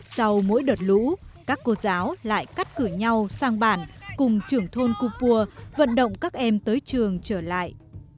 sau mỗi đợt lũ các cô giáo lại cắt cửa nhau sang bản cùng trưởng thôn kupua vận động các em tới chỗ học